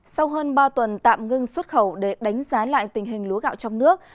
sau hơn ba tuần tạm ngưng xuất khẩu để đánh giá lại tình hình lúa gạo trong nước